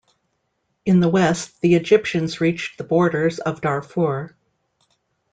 In the west the Egyptians reached the borders of Darfur.